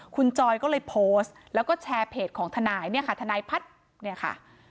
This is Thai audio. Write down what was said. คุณจอยก็เลยโพสต์แล้วก็แชร์เพจของทนายเนี่ยค่ะทนายพัฒน์เนี่ยค่ะ